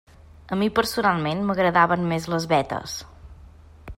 A mi personalment, m'agradaven més les vetes.